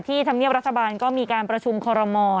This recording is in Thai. ธรรมเนียบรัฐบาลก็มีการประชุมคอรมอล